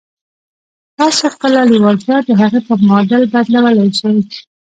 تاسې خپله لېوالتیا د هغې په معادل بدلولای شئ